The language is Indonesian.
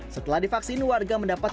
setelah divaksin warga mendapatkan